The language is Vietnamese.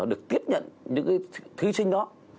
được tiếp nhận những thí sinh đó